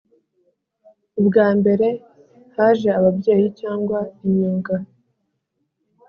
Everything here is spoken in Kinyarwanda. ubwa mbere haje ababyeyi cyangwa imyuga.